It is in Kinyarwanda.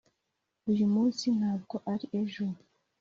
uyu munsi ntabwo ari ejo